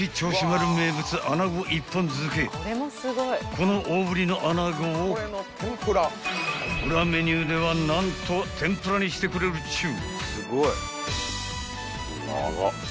［この大ぶりの穴子を裏メニューでは何と天ぷらにしてくれるっちゅう］